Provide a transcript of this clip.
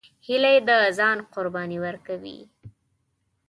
هیلۍ د ځان قرباني ورکوي